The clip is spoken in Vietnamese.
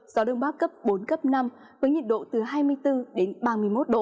gió đông bắc cấp bốn cấp năm với nhiệt độ từ hai mươi bốn đến ba mươi một độ